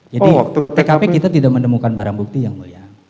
jadi tkp kita tidak menemukan barang bukti yang mulia